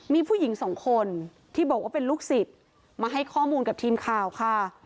มีผู้หญิงสองคนที่บอกว่าเป็นลูกศิษย์มาให้ข้อมูลกับทีมข่าวค่ะ